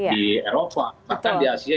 di eropa bahkan di asia